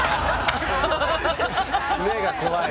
目が怖い。